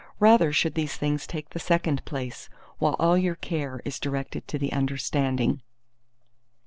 Rather should these things take the second place, while all your care is directed to the understanding.